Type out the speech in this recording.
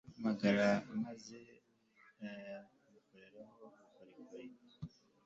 ihamagara maze unawukoreshe mu nteruro iboneye